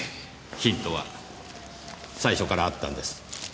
ヒントは最初からあったんです。